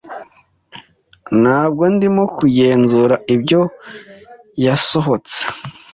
ntabwo ndimo kugenzura 'ibyo yasohotse